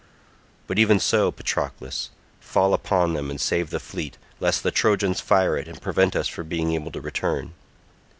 But even so, Patroclus, fall upon them and save the fleet, lest the Trojans fire it and prevent us from being able to return.